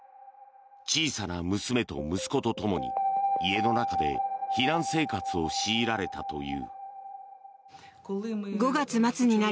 小さな娘と息子とともに家の中で避難生活を強いられたという。